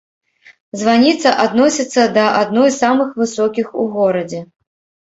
Званіца адносіцца да адной з самых высокіх у горадзе.